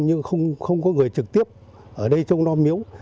nhưng không có người trực tiếp ở đây trông non miếu